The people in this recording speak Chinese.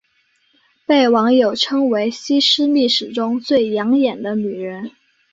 被网友称为西施秘史中最养眼的女人。